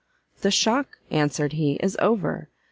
"The shock," answered he, "is over!